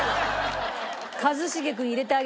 一茂君入れてあげない。